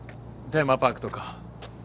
テーマパークとか。